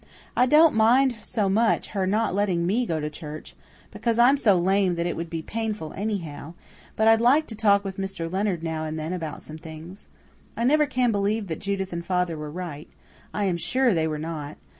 I don't mind so much her not letting me go to church, because I'm so lame that it would be painful anyhow; but I'd like to talk with Mr. Leonard now and then about some things. I can never believe that Judith and father were right; I am sure they were not.